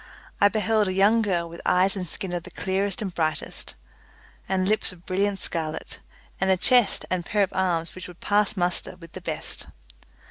I beheld a young girl with eyes and skin of the clearest and brightest, and lips of brilliant scarlet, and a chest and pair of arms which would pass muster with the best.